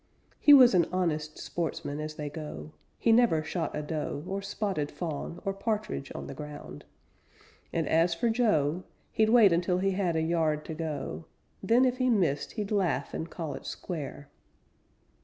He was an honest sportsman, as they go. He never shot a doe, Or spotted fawn, Or partridge on the ground. And, as for Joe, He'd wait until he had a yard to go. Then, if he missed, he'd laugh and call it square.